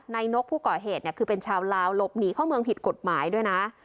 นกผู้ก่อเหตุคือเป็นชาวลาวหลบหนีเข้าเมืองผิดกฎหมายด้วยนะ